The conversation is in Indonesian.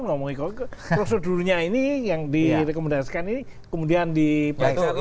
prosedurnya ini yang direkomendasikan ini kemudian dipengaruhi